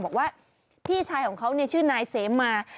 บอกว่าพี่ชายของเขาชื่อนายเสมา